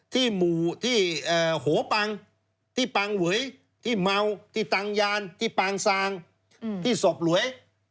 หมู่ที่โหปังที่ปางเวยที่เมาที่ตังยานที่ปางซางที่ศพหลวย